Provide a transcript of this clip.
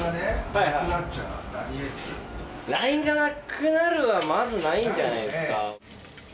ＬＩＮＥがなくなるはまずないんじゃないですか？